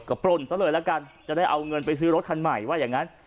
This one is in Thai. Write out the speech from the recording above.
ก็ปล้นซะเลยละกันจะได้เอาเงินไปซื้อรถคันใหม่ว่าอย่างนั้น